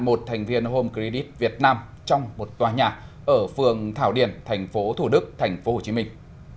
một thành viên home credit việt nam trong một tòa nhà ở phường thảo điển thành phố thủ đức thành phố hồ chí minh